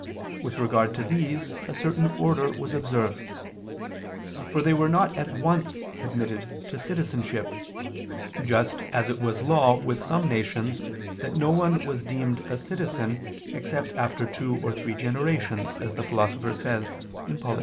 With regard to these a certain order was observed. For they were not at once admitted to citizenship: just as it was law with some nations that no one was deemed a citizen except after two or three generations, as the Philosopher says (Polit.